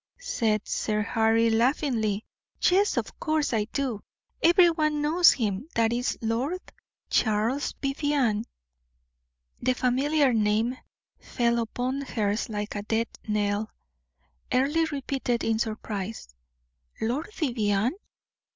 said Sir Harry, laughingly; "yes, of course I do every one knows him. That is Lord Charles Vivianne." The familiar name fell upon her ears like a death knell. Earle repeated in surprise: "Lord Vivianne!